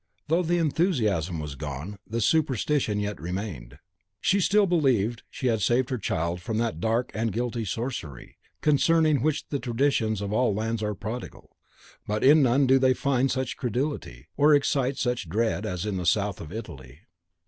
Though the enthusiasm was gone, the superstition yet remained; she still believed she had saved her child from that dark and guilty sorcery, concerning which the traditions of all lands are prodigal, but in none do they find such credulity, or excite such dread, as in the South of Italy.